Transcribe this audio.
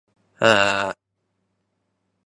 ぁー